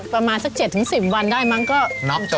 เปิดปุ๊บคน